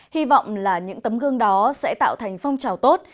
hy vọng là những tấm gương đó sẽ tạo thành phong trào tốt